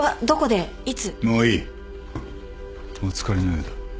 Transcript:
お疲れのようだ。